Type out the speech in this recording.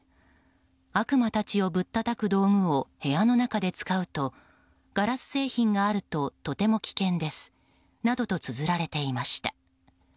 悪魔たちをぶったたく道具を部屋の中で使うとガラス製品があるととても危険ですなどとつづられていました。